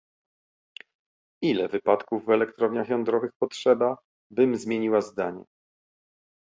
Ile wypadków w elektrowniach jądrowych potrzeba, bym zmieniła zdanie?